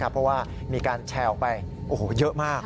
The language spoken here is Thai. เพราะว่ามีการแชร์ออกไปเยอะมาก